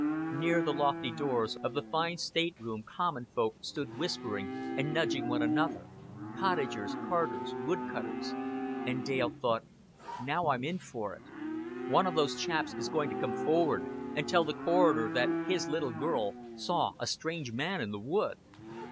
Near the lofty doors of the fine state room common folk stood whispering and nudging one another cottagers, carters, woodcutters; and Dale thought "Now I'm in for it. One of those chaps is going to come forward and tell the coroner that his little girl saw a strange man in the wood."